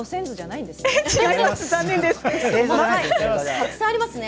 たくさんありますね。